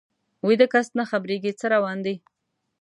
ویده کس نه خبریږي څه روان دي